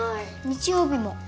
日曜日も。